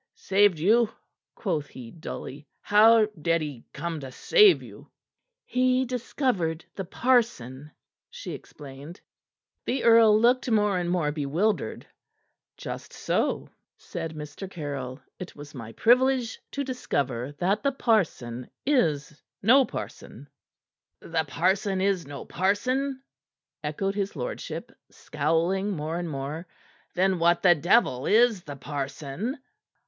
"Saved you?" quoth he dully. "How did he come to save you?" "He discovered the parson," she explained. The earl looked more and more bewildered. "Just so," said Mr. Caryll. "It was my privilege to discover that the parson is no parson." "The parson is no parson?" echoed his lordship, scowling more and more. "Then what the devil is the parson?"